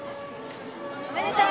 おめでとう！